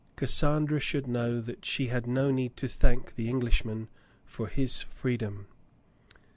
Cas sandra should know that she had no need to thank the Englishman for his freedom.